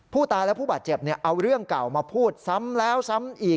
ผู้ตายและผู้บาดเจ็บเอาเรื่องเก่ามาพูดซ้ำแล้วซ้ำอีก